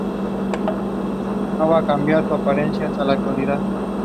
Abdul Kalam.